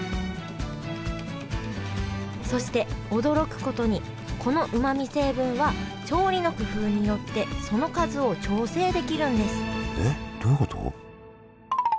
そして驚くことにこのうまみ成分は調理の工夫によってその数を調整できるんですえっどういうこと？